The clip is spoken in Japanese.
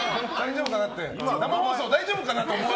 生放送大丈夫かなって。